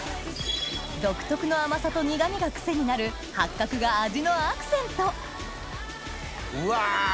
独特の甘さと苦味がクセになる八角が味のアクセントうわ！